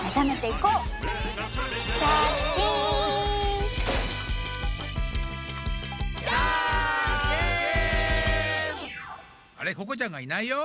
ここちゃんがいないよ？